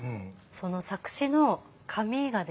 その作詞の紙がですね